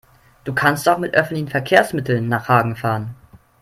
Du kannst doch mit öffentlichen Verkehrsmitteln nach Hagen fahren